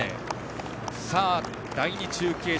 第２中継所。